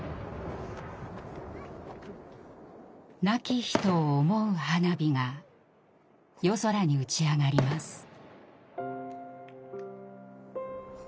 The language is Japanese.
亡き人を思う花火が夜空に打ち上がります。